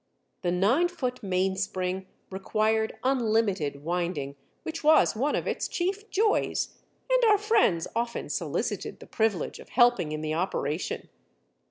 The nine foot mainspring required unlimited winding, which was one of its chief joys, and our friends often solicited the privilege of helping in the operation.